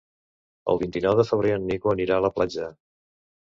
El vint-i-nou de febrer en Nico anirà a la platja.